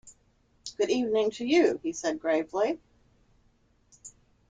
“Good evening to you,” he said gravely.